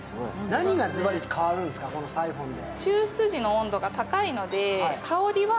何がずばり変わるんですか、このサイフォンで。